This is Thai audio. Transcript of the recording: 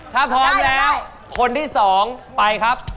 ถ้าพร้อมแล้วคนที่๒ไปครับ